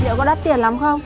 điệu có đắt tiền lắm không